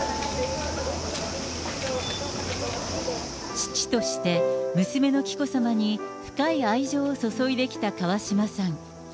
父として、娘の紀子さまに深い愛情を注いできた川嶋さん。